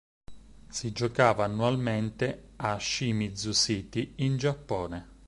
Si giocava annualmente a Shimizu City in Giappone.